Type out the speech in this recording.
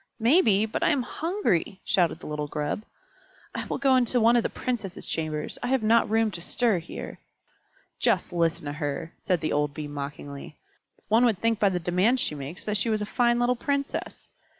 "Maybe, but I am hungry!" shouted the little Grub. "I will go into one of the Princesses' chambers; I have not room to stir here." "Just listen to her!" said the old Bee mockingly. "One would think by the demands she makes that she was a fine little Princess.